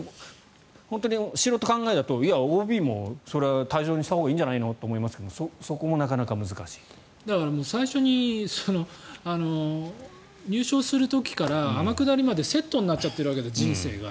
本当に素人考えだといや、ＯＢも対象にしたほうがいいんじゃないの？と思いますが最初に入省する時から天下りまでセットになっちゃってるわけです人生が。